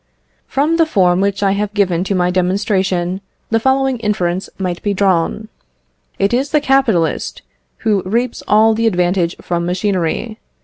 From the form which I have given to my demonstration, the following inference might be drawn: "It is the capitalist who reaps all the advantage from machinery.